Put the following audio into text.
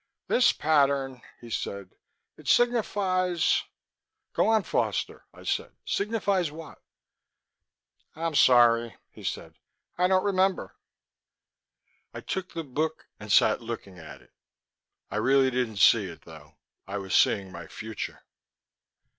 "This pattern," he said. "It signifies...." "Go on, Foster," I said. "Signifies what?" "I'm sorry," he said. "I don't remember." I took the book and sat looking at it. I didn't really see it, though. I was seeing my future.